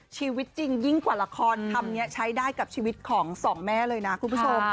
ชีวิตจริงยิ่งกว่าละครคำนี้ใช้ได้กับชีวิตของสองแม่เลยนะคุณผู้ชม